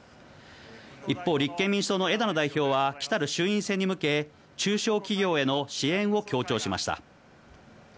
一方、立憲民主党の枝野代表は、来る衆院選に向け、中小企業への支援を強調しました。